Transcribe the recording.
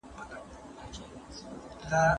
زه پرون پلان جوړوم وم!